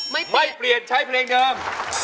ไม่เปลี่ยนใช้เพลงเดิม